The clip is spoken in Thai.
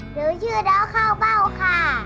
หนูชื่อน้องเข้าเบ้าค่ะ